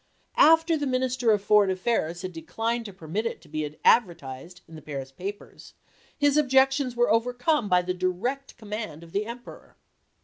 After the Minister of Foreign Affairs had declined to permit it to be advertised in the Paris papers, his objections were siideii to IT 1 f» 1 T 1 Benjamin, overcome by the direct command of the Emperor. Mar.